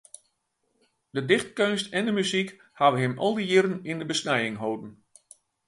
De dichtkeunst en de muzyk hawwe him al dy jierren yn de besnijing holden.